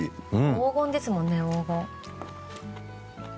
黄金ですもんね黄金。